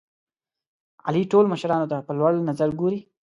علي ټول مشرانو ته په لوړ نظر ګوري.